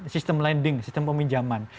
sistem lending sistem peminjaman